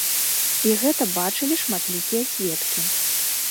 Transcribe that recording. І гэта бачылі шматлікія сведкі.